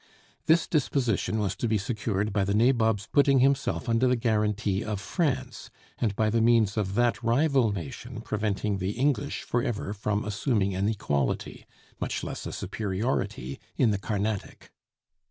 This disposition was to be secured by the Nabob's putting himself under the guarantee of France, and by the means of that rival nation preventing the English forever from assuming an equality, much less a superiority, in the Carnatic.